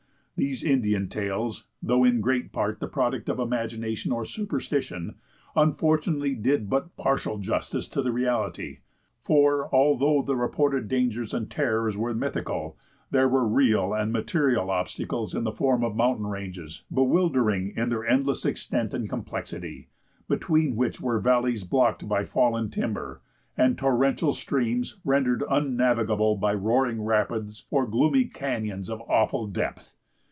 These Indian tales, though in great part the product of imagination or superstition, unfortunately did but partial justice to the reality, for although the reported dangers and terrors were mythical, there were real and material obstacles in the form of mountain ranges bewildering in their endless extent and complexity, between which were valleys blocked by fallen timber, and torrential streams rendered unnavigable by roaring rapids or gloomy canyons of awful depth.